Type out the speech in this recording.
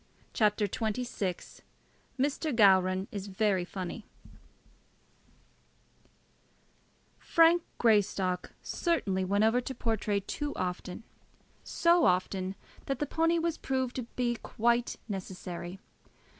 CHAPTER XXVI Mr. Gowran Is Very Funny Frank Greystock certainly went over to Portray too often, so often that the pony was proved to be quite necessary.